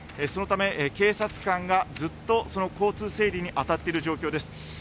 そのため警察官がずっと交通整理にあたっています。